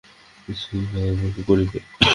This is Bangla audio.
দেশে গিয়া গল্প করিবে।